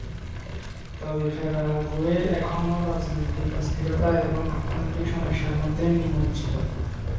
তবে প্যারাগুয়ে এখনও রাজনৈতিক অস্থিরতা এবং অর্থনৈতিক সমস্যার মধ্যে নিমজ্জিত।